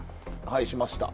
はいしました。